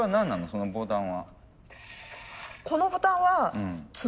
そのボタン角？